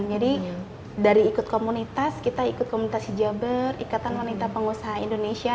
jadi dari ikut komunitas kita ikut komunitas hijabar ikatan wanita pengusaha indonesia